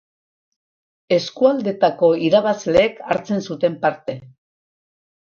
Eskualdetako irabazleek hartzen zuten parte.